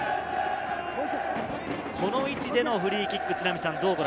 この位置でのフリーキック。